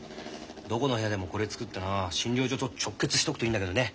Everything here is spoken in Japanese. どこの部屋でもこれ作ってな診療所と直結しとくといいんだけどね。